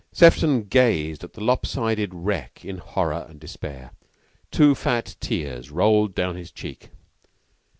Sefton gazed at the lop sided wreck in horror and despair. Two fat tears rolled down his cheek.